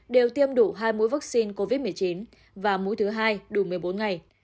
đều tiêm đủ hai mũi vaccine covid một mươi chín và mũi thứ hai đủ một mươi bốn ngày